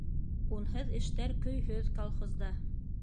Унһыҙ эштәр көйһөҙ колхозда.